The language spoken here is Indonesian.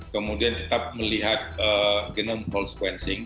kemudian tetap melihat genom whole sequencing